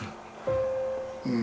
うん。